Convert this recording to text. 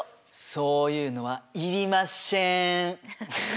そういうのはいりまっしぇん！